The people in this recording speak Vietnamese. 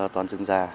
toàn rừng già